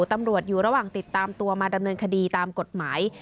ตำรวจอยู่ระหว่างติดตามตัวมาดำเนินคดีตามกฎหมาย